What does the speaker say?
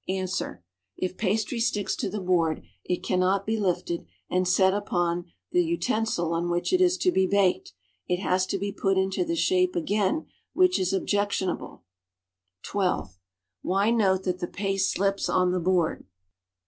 Ans. If pastry sticks to the board, it cari not be lifted and set up on the utensil on which it is to be baked; it has to be put into shape again, which is objectionable. (See No. fi.) (12) Why note that the paste slips on the board?